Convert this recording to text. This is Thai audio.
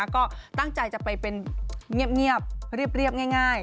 ก็ตั้งใจจะไปเป็นเงียบเรียบง่าย